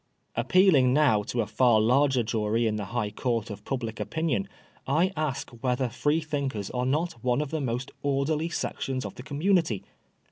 Appealing now to a far larger jury in the high court of public opinion, I ask whether Freethinkers are not one of the most orderly sections of the community.